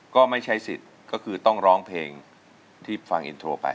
ก็ไม่ใช้สิทธิ์ก็คือต้องร้องเพลงที่ฟังอินโทรไป